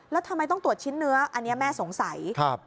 แล้วทำไมต้องตรวจชิ้นเนื้ออันนี้แม่สงสัย